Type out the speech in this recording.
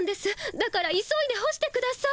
だから急いで干してください。